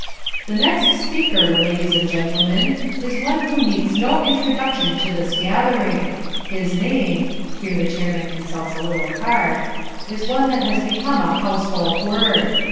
"The next speaker, ladies and gentlemen, is one who needs no introduction to this gathering. His name" (here the chairman consults a little card) "is one that has become a household word.